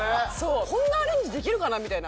こんなアレンジできるかなみたいな。